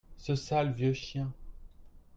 Ce sale vieux chien.